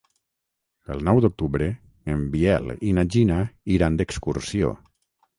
El nou d'octubre en Biel i na Gina iran d'excursió.